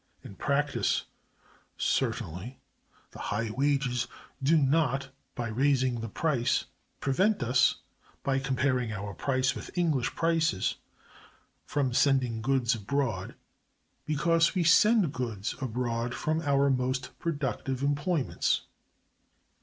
In practice, certainly, the high wages do not, by raising the price, prevent us, by comparing our price with English prices, from sending goods abroad—because we send goods abroad from our most productive employments.